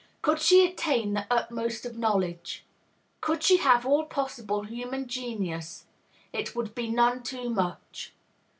Could she attain the utmost of knowledge, could she have all possible human genius, it would be none too much.